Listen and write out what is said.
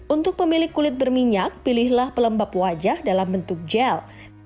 untuk pemilik kulit berminyak pilihlah pelembab wajah dalam bentuk gel